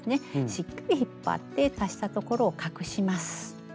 しっかり引っ張って足したところを隠します。